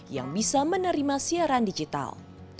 yang bisa menerima siaran digital